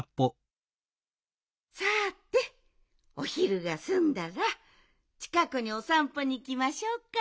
さておひるがすんだらちかくにおさんぽにいきましょうか。